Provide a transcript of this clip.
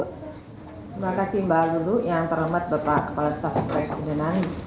terima kasih mbak alulu yang terlalu banyak bapak kepala staff presidenan